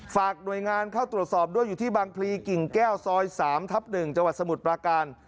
ฝากหน่วยงานเข้าตรวจสอบด้วยอยู่ที่บางพลีกิ่งแก้วซอย๓ทับ๑จังหวัดสมุทรปราการ